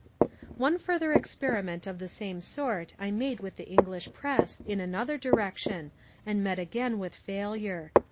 One further experiment of the same sort I made with the English Press in another direction and met again with failure.